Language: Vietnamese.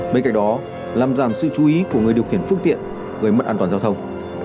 bên cạnh đó làm giảm sự chú ý của người điều khiển phương tiện gây mất an toàn giao thông